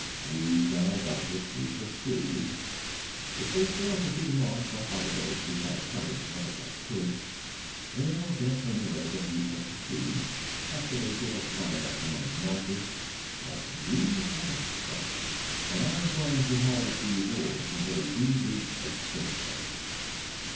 'We shall doubtless be pursued. If they fail to see the marks left by the boat, which I covered as well as I could, they'll guess anyway that we took to sea, after they fail to find us among the marshes. But we have a start, and I'm going to haul at these oars until we reach a safe place.'